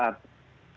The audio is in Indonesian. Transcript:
terima kasih mas